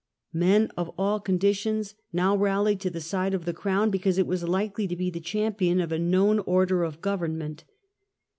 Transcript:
Men of all conditions now rallied to the side of the crown because it was likely to be the champion of a known order of government.